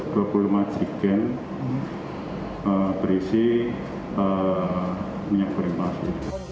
problematik gen berisi minyak goreng palsu